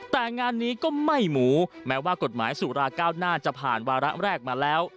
แต่งานนี้ก็ไม่หมูแม้ว่ากฎหมายสุราเก้าหน้าจะผ่านวาระแรกมาแล้ว